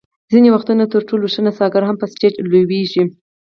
ځینې وختونه تر ټولو ښه نڅاګر هم په سټېج لویږي.